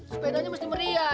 sepedanya mesti meriah